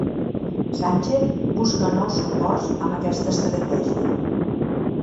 Sánchez busca nous suports amb aquesta estratègia